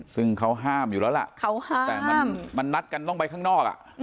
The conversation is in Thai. ซึ่งเขาห้ามอยู่แล้วล่ะแต่มันนัดกันต้องไปข้างนอก